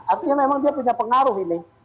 artinya memang dia punya pengaruh ini